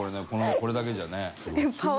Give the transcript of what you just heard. これだけじゃね。